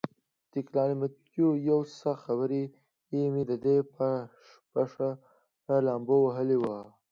د تګلیامنتو یو څه برخه مې د ده په پښه لامبو وهلې وه.